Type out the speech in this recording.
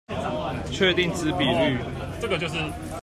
確定之比率